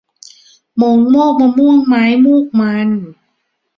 โมงโมกมะม่วงไม้ มูกมัน